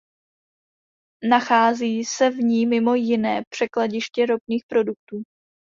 Nachází se v ní mimo jiné překladiště ropných produktů.